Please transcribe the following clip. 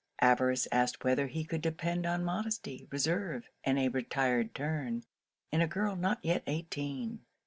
Avarice asked whether he could depend on modesty, reserve, and a retired turn, in a girl not yet eighteen?